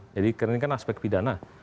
jadi ini kan aspek pidana